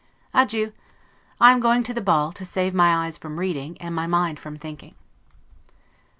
Adieu! I am going to the ball, to save my eyes from reading, and my mind from thinking.